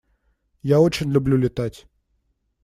Я очень люблю летать.